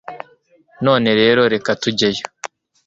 none rero, reka tujyeyo